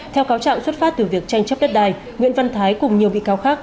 theo cáo trạng xuất phát từ việc tranh chấp đất đài nguyễn văn thái cùng nhiều bị cáo khác